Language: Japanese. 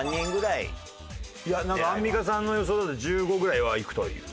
いやなんかアンミカさんの予想だと１５ぐらいはいくという。